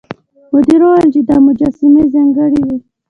مدیر وویل چې دا مجسمې ځانګړې وې.